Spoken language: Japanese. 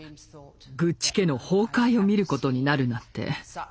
グッチ家の崩壊を見ることになるなんて。